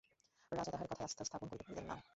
রাজা তাঁহার কথায় আস্থা স্থাপন করিতে পারিলেন না।